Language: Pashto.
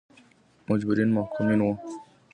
مجرمین محکومین وو.